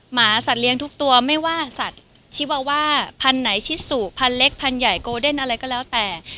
หมาสัตว์เลี้ยงทุกตัวไม่ว่าสัตว์ชิวาว่าพันธุ์ไหนชิสุพันเล็กพันธุ์ใหญ่โกเดนอะไรก็แล้วแต่